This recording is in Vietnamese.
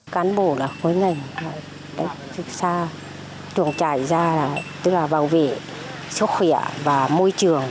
cán bổ là khối nền chuồng trại ra là bảo vệ sức khỏe và môi trường